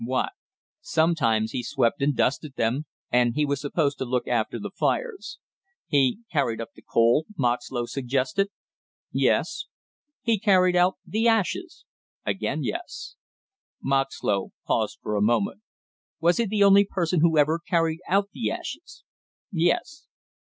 What? Sometimes he swept and dusted them and he was supposed to look after the fires. He carried up the coal, Moxlow suggested? Yes. He carried out the ashes? Again yes. Moxlow paused for a moment. Was he the only person who ever carried out the ashes? Yes.